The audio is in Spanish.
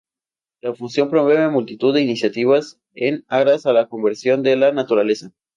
La fundación promueve multitud de iniciativas en aras a la conservación de la naturaleza.